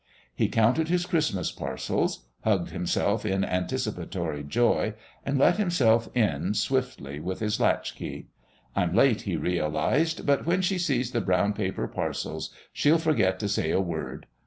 He counted his Christmas parcels ... hugged himself in anticipatory joy ... and let himself in swiftly with his latchkey. "I'm late," he realised, "but when she sees the brown paper parcels, she'll forget to say a word.